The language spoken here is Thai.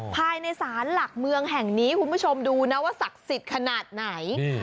ภายในศาลหลักเมืองแห่งนี้คุณผู้ชมดูนะว่าศักดิ์สิทธิ์ขนาดไหน